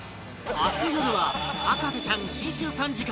明日よるは『博士ちゃん』新春３時間